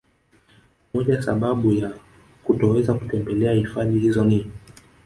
Moja ya sababu ya kutoweza kutembelea hifadhi hizo ni